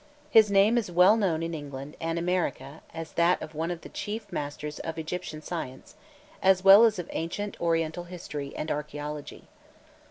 His name is well known in England and America as that of one of the chief masters of Egyptian science as well as of ancient Oriental history and archaeology.